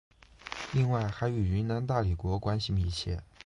另外还与云南大理国关系密切。